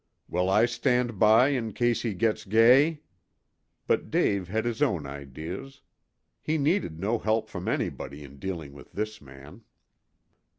"Will I stand by in case he gits gay?" But Dave had his own ideas. He needed no help from anybody in dealing with this man.